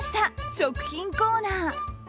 食品コーナー。